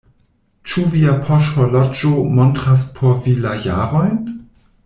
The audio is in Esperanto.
"Ĉu via poŝhorloĝo montras por vi la jarojn?"